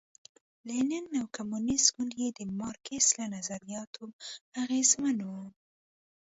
لینین او کمونېست ګوند یې د مارکس له نظریاتو اغېزمن و.